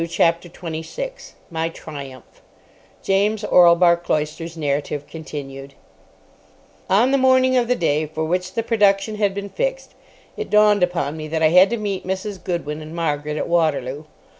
CHAPTER 26 MY TRIUMPH (James Orlebar Cloyster's narrative continued) On the morning of the day for which the production had been fixed, it dawned upon me that I had to meet Mrs. Goodwin and Margaret at Waterloo.